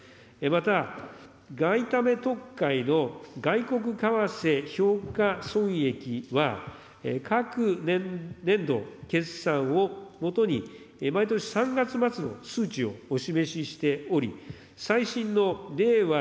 また、外為特会の外国為替評価損益は、各年度決算を基に、毎年３月末の数値をお示ししており、最新の令和